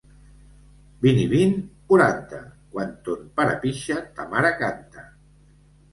Vint i vint? –Quaranta. –Quan ton pare pixa, ta mare canta.